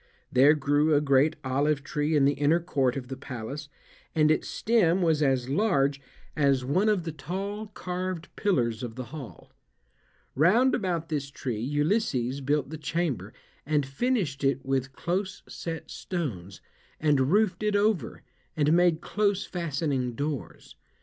There grew a great olive tree in the inner court of the palace, and its stem was as large as one of the tall carved pillars of the hall. Round about this tree Ulysses built the chamber, and finished it with close set stones, and roofed it over, and made close fastening doors.